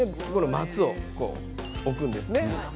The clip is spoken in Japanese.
まず置くんですね。